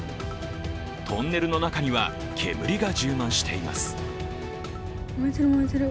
トンネルの中には煙が充満しています。